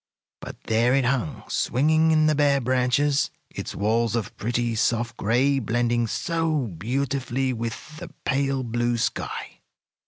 But there it hung, swinging in the bare branches, its walls of pretty, soft gray blending so beautifully with the pale blue sky.